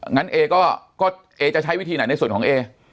งั้นเอก็เอจะใช้วิธีไหนในส่วนของเอ